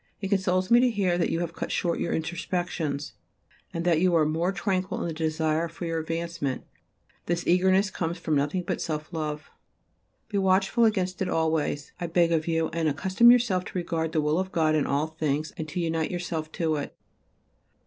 It consoles me to hear that you have cut short your introspections, and that you are more tranquil in the desire for your advancement, this eagerness comes from nothing but self love. Be watchful against it always, I beg of you, and accustom yourself to regard the will of God in all things and to unite yourself to it.